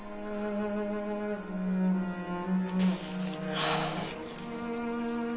はあ。